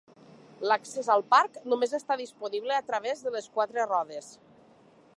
L'accés al parc només està disponible a través de les quatre rodes.